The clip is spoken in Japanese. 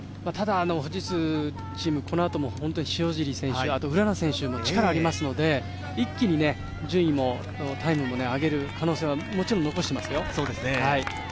ただ、富士通チーム、このあと、塩尻選手、浦野選手も力ありますので一気に順位もタイムも上げる可能性はもちろん残していますよ。